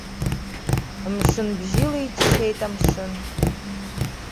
Мшын бжьыла иччеит амшын.